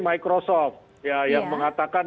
microsoft ya yang mengatakan